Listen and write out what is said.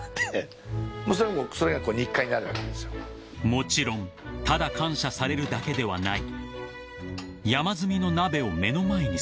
［もちろんただ感謝されるだけではない］